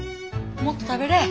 もっと食べれ。